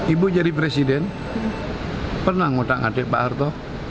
ibu jadi presiden pernah ngotak ngotik pak arto